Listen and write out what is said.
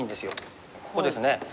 ここですね。